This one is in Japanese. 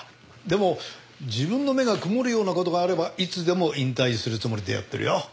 でも自分の目が曇るような事があればいつでも引退するつもりでやってるよ。